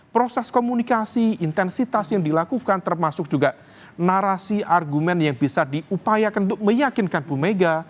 proses komunikasi intensitas yang dilakukan termasuk juga narasi argumen yang bisa diupayakan untuk meyakinkan bu mega